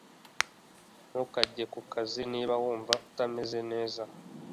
Ntukajye ku kazi niba wumva utameze neza.